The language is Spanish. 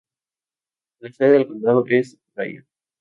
La sede del condado es Bryan.